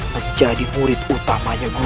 menjadi murid utamanya guru